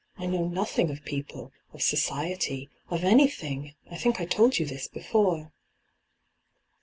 I know nothing of people, of society, of any thing. I think I told you this before.'